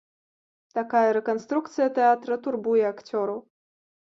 Такая рэканструкцыя тэатра турбуе акцёраў.